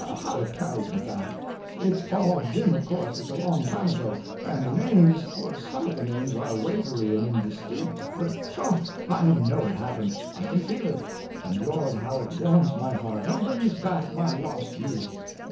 How it carries me back! It's all dim, of course it's a long time ago and the names some of the names are wavery and indistinct but sho', I know it happened I can feel it! and lord, how it warms my heart, and brings back my lost youth!